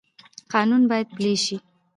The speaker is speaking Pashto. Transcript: قانون باید پلی شي